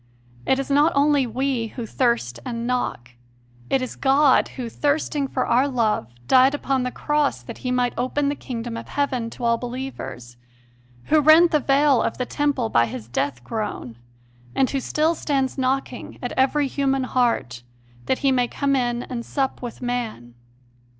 It is not only we who thirst and knock: it is God Who, thirsting for our love, died upon the cross that He might open the kingdom of heaven to all believers, Who rent the veil of the Temple by His death groan, and Who still stands knocking at every human heart, that He may come in and sup with man.